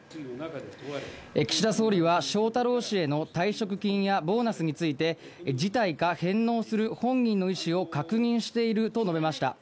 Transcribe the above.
岸田総理は翔太郎氏への退職金やボーナスについて、辞退か返納する本人の意思を確認していると述べました。